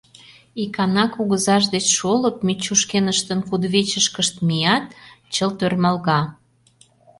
Икана кугызаж деч шолып Мичу шкеныштын кудывечышкышт мият, чылт ӧрмалга.